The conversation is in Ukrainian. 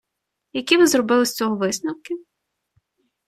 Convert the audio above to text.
Які ви зробили з цього висновки?